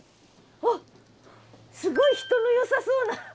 わっすごい人のよさそうな。